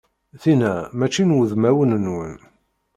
Tinna mačči n wudmawen-nwen.